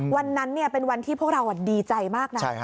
วันนั้นเป็นวันที่พวกเราดีใจมากนะ